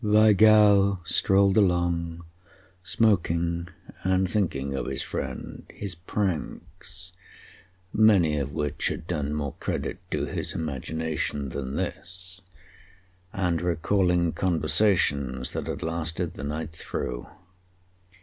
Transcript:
Weigall strolled along, smoking, and thinking of his friend, his pranks many of which had done more credit to his imagination than this and recalling conversations that had lasted the night through.